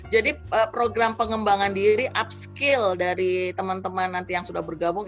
jadi program pengembangan diri upskill dari teman teman nanti yang sudah bergabung